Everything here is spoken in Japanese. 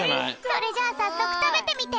それじゃあさっそくたべてみて！